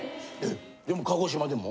でも鹿児島でも？